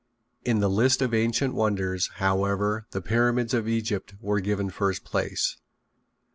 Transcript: In the list of ancient wonders, however, the Pyramids of Egypt were given first place.